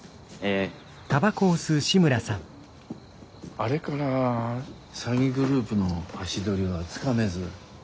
あれから詐欺グループの足取りはつかめず？